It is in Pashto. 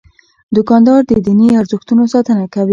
دوکاندار د دیني ارزښتونو ساتنه کوي.